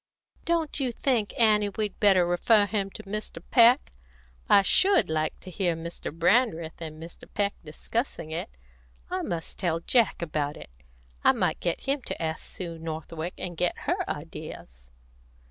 "Don't you think, Annie, we'd better refer him to Mr. Peck? I should like to hear Mr. Brandreth and Mr. Peek discussing it. I must tell Jack about it. I might get him to ask Sue Northwick, and get her ideas."